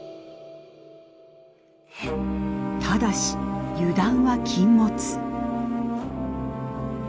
ただし油断は禁物。